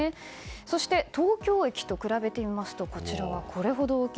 そして、東京駅と比べてみますとこれほど大きい。